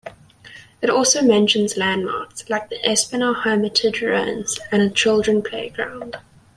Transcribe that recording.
It also mentions landmarks like the Espinar Hermitage Ruins and a children playground.